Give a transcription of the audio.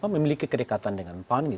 memiliki kedekatan dengan pan